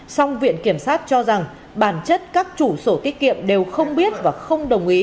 song viện kiểm sát cho rằng bản chất các chủ sổ tiết kiệm đều không biết và không đồng ý